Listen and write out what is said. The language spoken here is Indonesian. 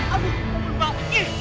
aduh ampun mbak